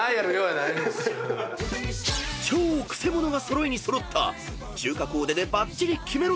［超くせ者が揃いに揃った中華コーデでバッチリキメろ！